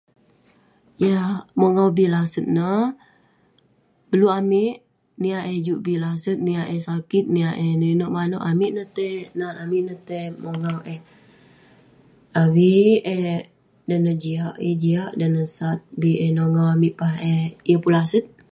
yah mongau bi laset neh, beluk amik..niah eh juk bi laset, niah eh sakit, niah eh inouk inouk manouk, amik neh tai nat, amik neh tai mongau eh avik eh... dan neh jiak, yeng jiak..dan neh sat, bik eh nongau amik pah eh yeng pun laset